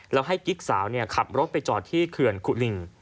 แล้วให้กิ๊กสาวขับรถไปจอดที่เขื่อนขุลิง